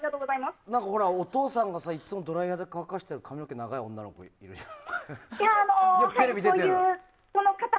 お父さんがいつもドライヤーで乾かしてる女の子いるじゃん。